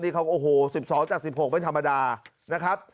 นี่เขาโอ้โห๑๒จาก๑๖ไม่ธรรมดานะครับ